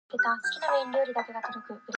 This hypothesis is relatively new.